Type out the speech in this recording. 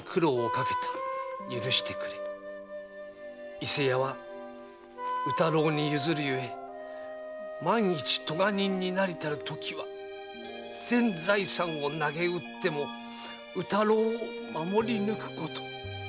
「伊勢屋は宇太郎に譲るゆえ万一咎人になりたるときは全財産をなげうっても宇太郎を守り抜くこと」。